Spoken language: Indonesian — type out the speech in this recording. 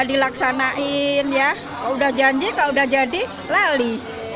bersuksanain ya kalau udah janji kalau udah jadi lali